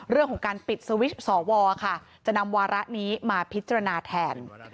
เรื่องของการปิดสวิตช์สวค่ะจะนำวาระนี้มาพิจารณาแทน